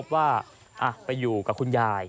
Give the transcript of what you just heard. ว่าไปอยู่กับคุณยาย